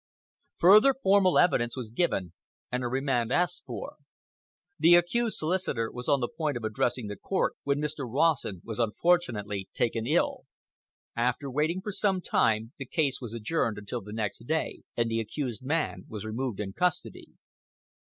Further formal evidence was given, and a remand asked for. The accused's solicitor was on the point of addressing the court when Mr. Rawson was unfortunately taken ill. After waiting for some time, the case was adjourned until the next day, and the accused man was removed in custody.